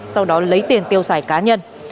sau đó lấy tiền tiêu xài cá nhân